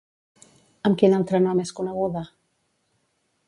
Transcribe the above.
Amb quin altre nom és coneguda?